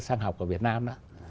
sang học ở việt nam đó